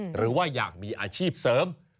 หรือว่าอยากมีอาชีพเสริม